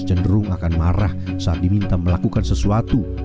cenderung akan marah saat diminta melakukan sesuatu